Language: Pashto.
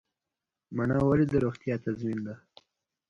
مڼه ولې د روغتیا تضمین ده؟